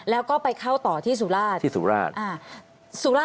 แล้วก็ไปเข้าต่อที่สุราชที่สุราช